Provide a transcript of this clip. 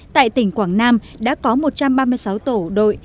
tại tỉnh quảng nam đã có một trăm ba mươi sáu tổ đội với chín trăm bảy mươi một tổ đội